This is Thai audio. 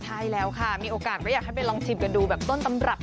ใช่แล้วค่ะมีโอกาสก็อยากให้ไปลองชิมกันดูแบบต้นตำรับ